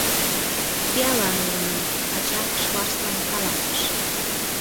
— Пиалан улына, — ача Шварцлан каласыш.